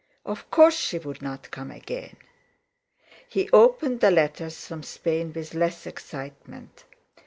Of course she would not come again! He opened the letters from Spain with less excitement.